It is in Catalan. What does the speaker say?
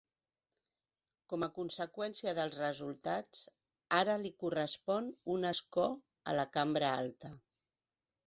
Com a conseqüència dels resultats, ara li correspon un escó a la cambra alta.